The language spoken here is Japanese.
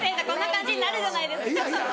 こんな感じになるじゃないですか。